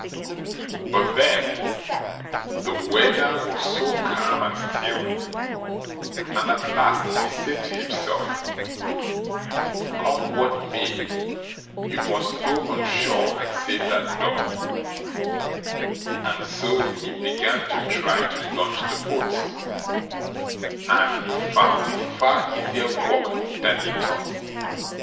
But then the weather was so calm and still; and at last he said to himself: "Come what may, you must go on shore and save that dog", and so he began to try to launch the boat, and he found it far easier work than he thought.